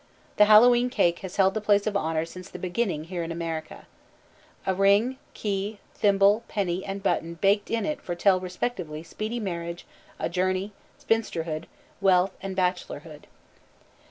The Hallowe'en cake has held the place of honor since the beginning here in America. A ring, key, thimble, penny, and button baked in it foretell respectively speedy marriage, a journey, spinsterhood, wealth, and bachelorhood.